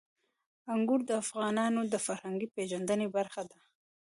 انګور د افغانانو د فرهنګي پیژندنې برخه ده.